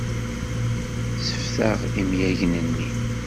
Sseftaɣ imyagen-nni.